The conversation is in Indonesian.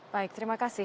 baik terima kasih